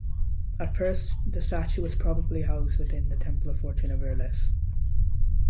At first, the statue was probably housed within the temple to Fortuna Virilis.